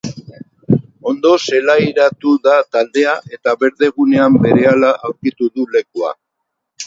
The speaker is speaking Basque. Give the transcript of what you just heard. Ondo zelairatu da taldea, eta berdegunean berehala aurkitu du lekua.